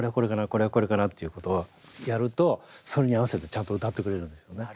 これはこれかな」っていうことをやるとそれに合わせてちゃんと歌ってくれるんですよね。